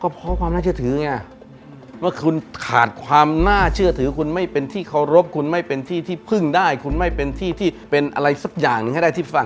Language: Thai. เพราะความน่าเชื่อถือไงว่าคุณขาดความน่าเชื่อถือคุณไม่เป็นที่เคารพคุณไม่เป็นที่ที่พึ่งได้คุณไม่เป็นที่ที่เป็นอะไรสักอย่างหนึ่งให้ได้ที่ฟัง